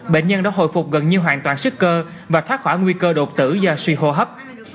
bệnh nhân đã hồi phục gần như hoàn toàn sức cơ và thoát khỏi nguy cơ đột tử do suy hô hấp